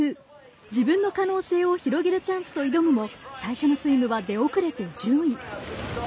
自分の可能性を広げるチャンスと挑むも最初のスイムは出遅れて１０位。